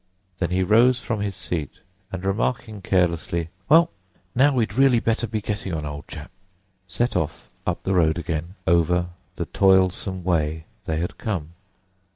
Then he rose from his seat, and, remarking carelessly, "Well, now we'd really better be getting on, old chap!" set off up the road again, over the toilsome way they had come.